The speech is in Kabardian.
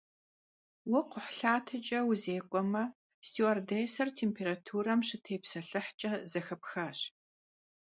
Vue kxhuhlhateç'e vuzêk'uame, stüardêsser têmpêraturem şıtêpselhıhç'e zexepxaş.